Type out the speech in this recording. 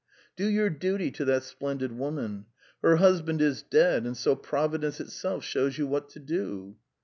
"Do your duty to that splendid woman! Her husband is dead, and so Providence itself shows you what to do!"